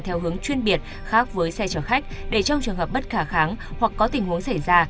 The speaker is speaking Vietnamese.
theo hướng chuyên biệt khác với xe chở khách để trong trường hợp bất khả kháng hoặc có tình huống xảy ra